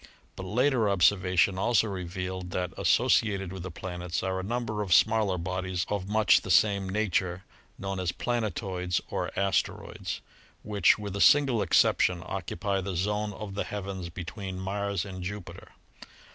But later ob servation also revealed that, associated with the planets, are a number of smaller bodies of much the same nature known as "planetoids," or "asteroids," which, with a single exception, occupy the zone of the heavens between Mars and Jupiter.